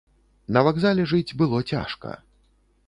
На вакзале жыць было цяжка.